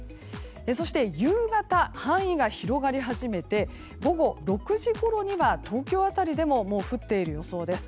そして、夕方範囲が広がり始めて午後６時ごろには東京辺りでも降っている予想です。